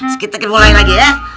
sekitakin mulai lagi ya